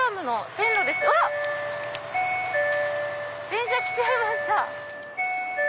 電車来ちゃいました。